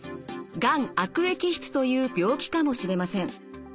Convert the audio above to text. がん悪液質という病気かもしれません。